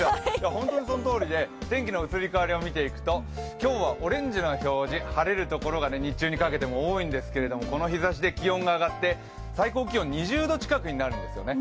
本当にそのとおりで天気の移り変わりを見ていくと、今日はオレンジの表示、晴れるところが日中にかけて多いんですがこの日ざしで気温が上がって最高気温２０度近くになるんですよね。